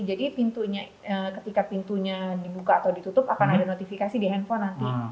jadi pintunya ketika pintunya dibuka atau ditutup akan ada notifikasi di handphone nanti